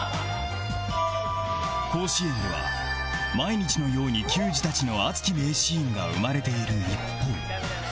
甲子園では毎日のように球児たちの熱き名シーンが生まれている一方